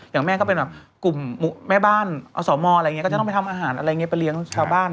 อย่างแม่ก็เป็นแบบกลุ่มแม่บ้านสอมองก์อะไรอย่างเขาจะต้องไปทำอาหารอะไรไปเลี้ยงชาวบ้าน